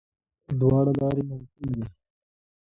دواړه لارې ممکن دي.